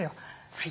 はい！